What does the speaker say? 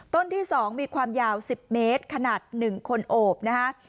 ต้นที่๒มีความยาว๑๐เมตรขนาด๑คนโอบนะฮะ